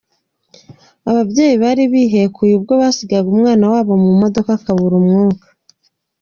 Ababyeyi bari bihekuye ubwo basigaga umwana wabo mu modoka akabura umwuka